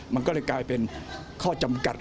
มันก็เลยกลายเป็นข้อจำกัด